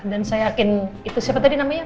dan saya yakin itu siapa tadi namanya